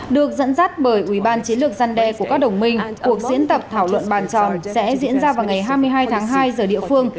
được dẫn dắt bởi ubnd của các đồng minh cuộc diễn tập thảo luận bàn tròn sẽ diễn ra vào ngày hai mươi hai tháng hai giờ địa phương